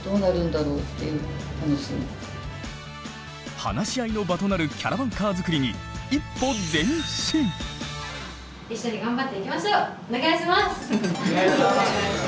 話し合いの場となるキャラバンカー作りにお願いします！